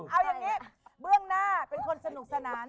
เอาอย่างนี้เบื้องหน้าเป็นคนสนุกสนาน